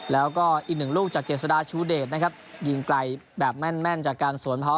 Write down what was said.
แล้วก็อีกหนึ่งลูกจากเจสดาห์ชูเดรฟนะครับยิงไกลแม่นจากการสวน